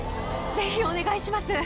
ぜひお願いします。